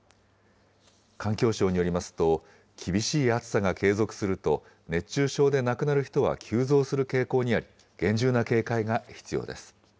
環境省によりますと、厳しい暑さが継続すると、熱中症で亡くなる人は急増する傾向にあり、厳重な警戒が必要です。